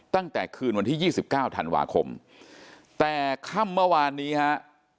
ตั้งแต่คืนวันที่๒๙ธันวาคมแต่ค่ำเมื่อวานนี้ฮะ